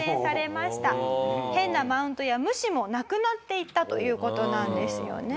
変なマウントや無視もなくなっていったという事なんですよね。